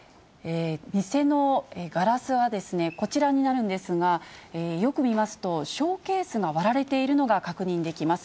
店のガラスはこちらになるんですが、よく見ますと、ショーケースが割られているのが確認できます。